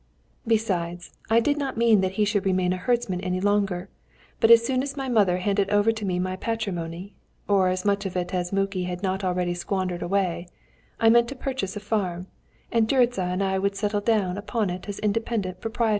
Besides, I did not mean that he should remain a herdsman any longer; but as soon as my mother handed over to me my patrimony (so much of it I mean as Muki had not already squandered away), I meant to purchase a farm, and Gyuricza and I would settle down upon it as independent proprietors."